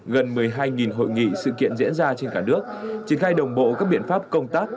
gần một mươi hai hội nghị sự kiện diễn ra trên cả nước triển khai đồng bộ các biện pháp công tác